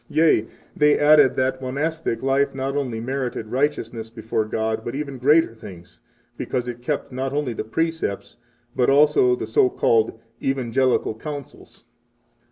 12 Yea, they added that the monastic life not only merited righteousness before God but even greater things, because it kept not only the precepts, but also the so called "evangelical counsels."